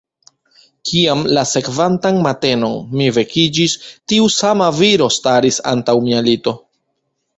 Kiam la sekvantan matenon mi vekiĝis, tiu sama viro staris antaŭ mia lito.